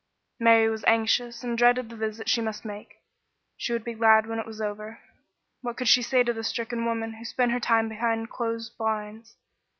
Mary was anxious and dreaded the visit she must make. She would be glad when it was over. What could she say to the stricken woman who spent her time behind closed blinds?